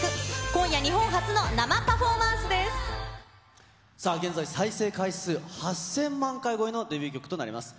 今夜、日本初の生パフォーマンス現在、再生回数８０００万回超えのデビュー曲となります。